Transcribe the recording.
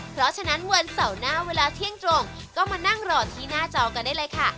เพราะฉะนั้นวันเสาร์หน้าเวลาเที่ยงตรงก็มานั่งรอที่หน้าจอกันได้เลยค่ะ